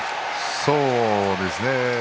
そうですね。